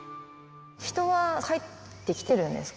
人は帰ってきてるんですか？